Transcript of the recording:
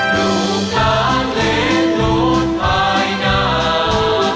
ดูการเล่นหลุดภายนา